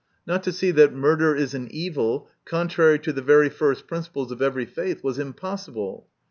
Not to see that murder is an evil, contrary to the very first principles of every faith, was impossible.